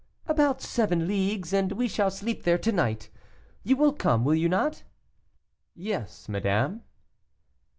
"About seven leagues, and we shall sleep there to night; you will come, will you not?" "Yes, madame."